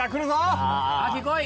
秋来い！